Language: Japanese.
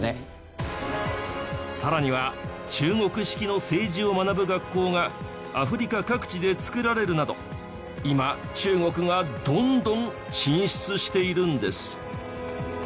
さらには中国式の政治を学ぶ学校がアフリカ各地で造られるなど今中国がどんどん進出しているんです。